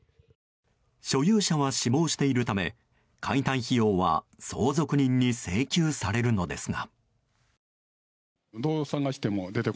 所有者は死亡しているため解体費用は相続人に請求されるのですが。